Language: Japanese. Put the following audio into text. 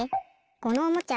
このおもちゃ